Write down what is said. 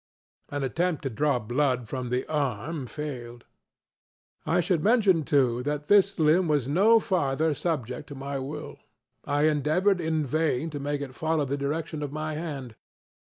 An attempt to draw blood from the arm failed. I should mention, too, that this limb was no farther subject to my will. I endeavored in vain to make it follow the direction of my hand.